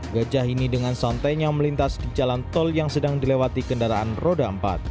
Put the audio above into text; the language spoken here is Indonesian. gajah ini dengan santainya melintas di jalan tol yang sedang dilewati kendaraan roda empat